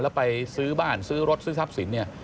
แล้วไปซื้อบ้านซื้อรถซื้อทรัพย์สินเนี่ย